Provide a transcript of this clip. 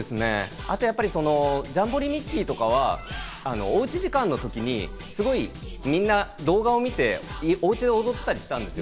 あと、ジャンボリミッキー！とかはおうち時間の時にみんな動画を見て、おうちで踊ったりしてたんですよ。